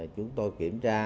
chúng tôi kiểm tra